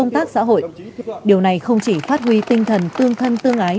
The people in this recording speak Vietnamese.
tấm nòng nhân ái